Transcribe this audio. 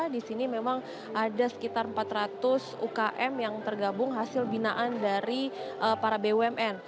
di sini memang ada sekitar empat ratus ukm yang tergabung hasil binaan dari para bumn